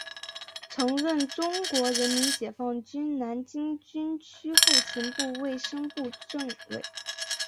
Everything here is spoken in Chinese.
曾任中国人民解放军南京军区后勤部卫生部政委。